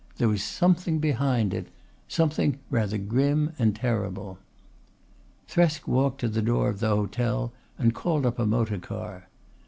There was something behind it something rather grim and terrible. Thresk walked to the door of the hotel and called up a motor car.